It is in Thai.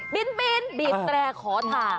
บินบีบแตรขอทาง